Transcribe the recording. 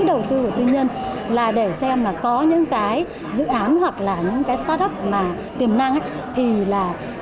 đầu tư của tư nhân là để xem là có những cái dự án hoặc là những cái start up mà tiềm năng thì là